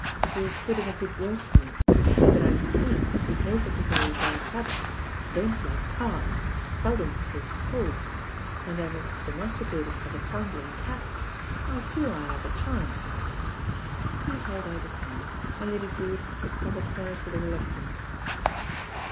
"If you will put in a good word for me, say that I'm tame, with no par ticularly bad habits, don't like cards, seldom take cold, and am as domesticated as a foundling cat, I feel I have a chance." He held out his hand, and Lady Drcwitt extended hers with reluctance.